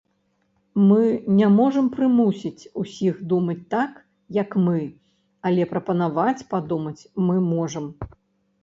Мы не можам прымусіць усіх думаць так, як мы, але прапанаваць падумаць мы можам.